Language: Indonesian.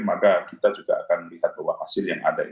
maka kita juga akan melihat bahwa hasil yang ada